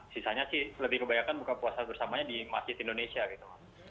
sisanya sih lebih kebanyakan buka puasa bersamanya di masjid indonesia gitu